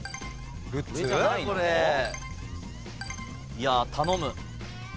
いや頼む。